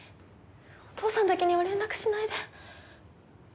お父さんだけには連絡しないで。